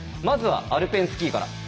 まずはアルペンスキーから。